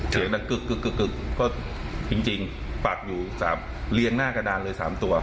เสียงดังกึกก็จริงปักอยู่๓เรียงหน้ากระดานเลย๓ตัว